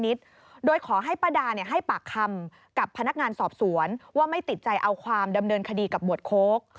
โดยขอให้ป้าดาให้ปากคำกับพนักงานสอบสวนว่าไม่ติดใจเอาความดำเนินคดีกับหมวดโค้ก